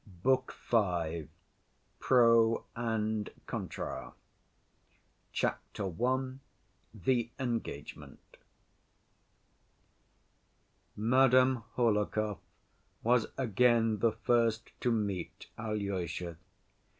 Book V. Pro And Contra Chapter I. The Engagement Madame Hohlakov was again the first to meet Alyosha.